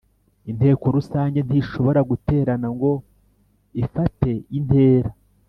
Inteko rusange ntishobora guterana ngo ifateintera